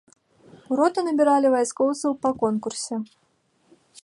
У роту набіралі вайскоўцаў па конкурсе.